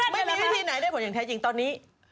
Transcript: ไม่มีวิธีไหนได้ผลอย่างแท้จริงตอนนี้